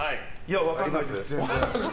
分からないです、全然。